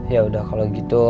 ya udah kalau gitu